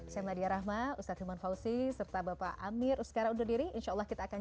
saya madya rahma ustadz iman fauzi serta bapak amir sekarang udah diri insya allah kita akan